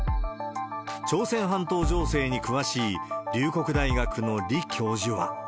朝鮮半島情勢に詳しい龍谷大学の李教授は。